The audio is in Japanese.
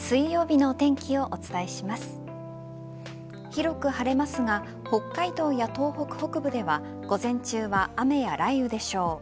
広く晴れますが北海道や東北北部では午前中は雨や雷雨でしょう。